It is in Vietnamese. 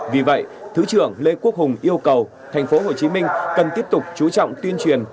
vì vậy thứ trưởng lê quốc hùng yêu cầu tp hcm cần tiếp tục chú trọng tuyên truyền